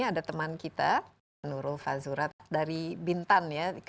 ada teman kita nurul fazurat dari bintan ya